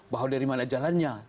bahwa dari mana jalannya